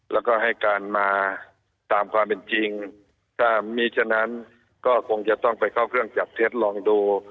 แล้วก็ให้การมาตามความเป็นจริงถ้ามีฉะนั้นก็คงจะต้องไปเข้าเครื่องจับเท็จลองดู